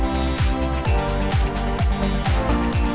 dengan luar negara